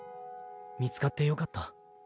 見つかってよかった。